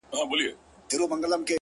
راته سور اور جوړ كړي تنور جوړ كړي’